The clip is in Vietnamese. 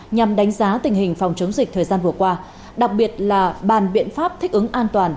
nhằm đánh giá tình hình phòng chống dịch thời gian vừa qua đặc biệt là bàn biện pháp thích ứng an toàn